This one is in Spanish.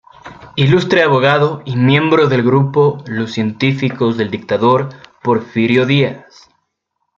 Ilustre abogado y miembro del grupo Los Científicos del dictador Porfirio Díaz.